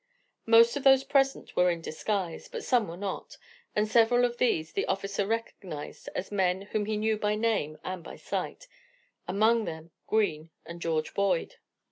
Most of those present were in disguise, but some were not, and several of these the officer recognized as men whom he knew by name and by sight, among them Green and George Boyd.